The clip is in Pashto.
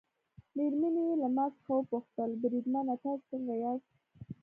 مېرمنې یې له ما څخه وپوښتل: بریدمنه تاسي څنګه یاست؟